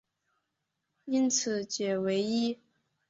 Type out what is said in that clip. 因此解唯一。